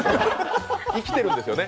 生きてるんですよね？